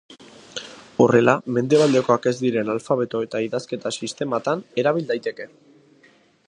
Horrela, mendebaldekoak ez diren alfabeto eta idazketa-sistematan erabil daiteke.